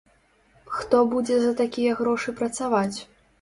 Хто будзе за такія грошы працаваць?